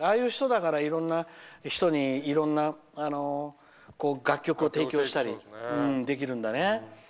ああいう人だからいろんな人に楽曲を提供したりできるんだね。